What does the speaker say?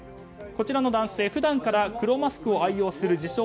こちらの男性、普段から黒マスクを愛用する自称